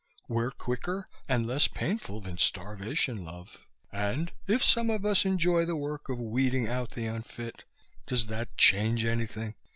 We're quicker and less painful than starvation, love ... and if some of us enjoy the work of weeding out the unfit, does that change anything?